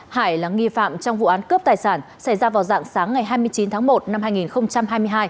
hải là nghi phạm trong vụ án cướp tài sản xảy ra vào dạng sáng ngày hai mươi chín tháng một năm hai nghìn hai mươi hai